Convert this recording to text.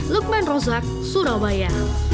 lukman rozak surabaya